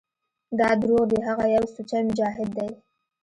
دا دروغ دي هغه يو سوچه مجاهد دى.